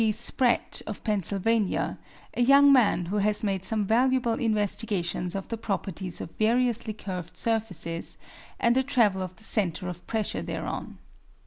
G. Spratt, of Pennsylvania, a young man who has made some valuable investigations of the properties of variously curved surfaces and the travel of the center of pressure thereon.